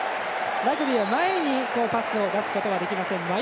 ラグビーは前にパスを出すことはできません。